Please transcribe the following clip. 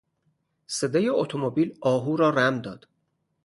صدای اتومبیل آهو را رم داد.